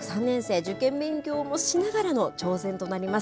受験勉強もしながらの挑戦となります。